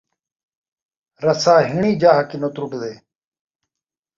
رسہ ہیݨیں جاہ کنوں ترٹدے